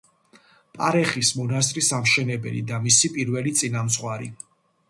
პარეხის მონასტრის ამშენებელი და მისი პირველი წინამძღვარი.